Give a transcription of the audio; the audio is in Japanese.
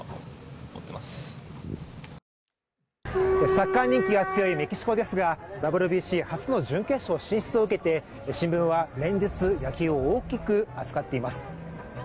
サッカー人気が強いメキシコですが、ＷＢＣ初の準決勝進出を受けて新聞は連日、野球を大きく扱っています。